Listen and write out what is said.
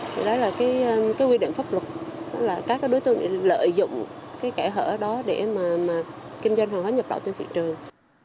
thì đó là cái quy định pháp luật đó là các đối tượng lợi dụng cái kẻ hở đó để mà kinh doanh hóa hóa nhập đạo trên sự trường